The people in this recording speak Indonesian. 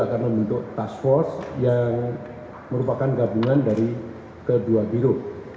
akan membentuk task force yang merupakan gabungan dari kedua biro